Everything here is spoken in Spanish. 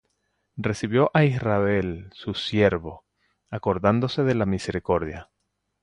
Recibió á Israel su siervo, Acordandose de la misericordia.